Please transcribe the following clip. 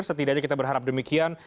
setidaknya kita berharap demikian